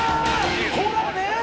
ほらね！